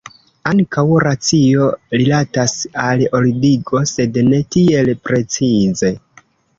Ankaŭ racio rilatas al ordigo, sed ne tiel precize.